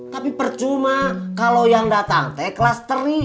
tapi percuma kalau yang datang teh kelas teri